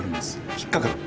「引っ掛かる」？